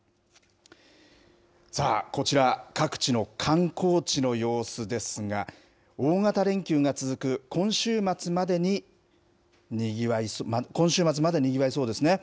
さあ、こちら、各地の観光地の様子ですが、大型連休が続く今週末までにぎわいそうですね。